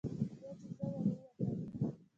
بیا چې زه ور ووتم.